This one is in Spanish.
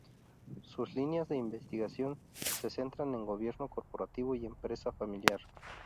Sus líneas de investigación se centran en gobierno corporativo y empresa familiar.